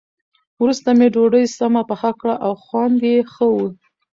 وروسته مې ډوډۍ سمه پخه کړه او خوند یې ښه و.